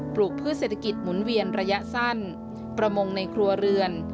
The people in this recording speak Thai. ลูกพืชเศรษฐกิจหมุนเวียนระยะสั้นประมงในครัวเรือน